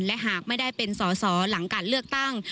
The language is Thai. และหากไม่ได้เป็นสอสอหลังการเลือกตั้ง